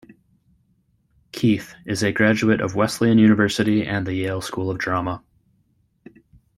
Keith is a graduate of Wesleyan University and the Yale School of Drama.